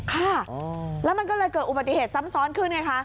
ค่ะแล้วมันก็เลยเกิดอุบัติเหตุซ้ำซ้อนขึ้นไงคะ